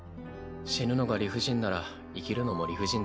死ぬのが理不尽なら生きるのも理不尽だ。